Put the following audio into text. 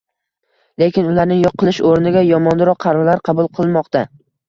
Lekin ularni yo'q qilish o'rniga yomonroq qarorlar qabul qilinmoqda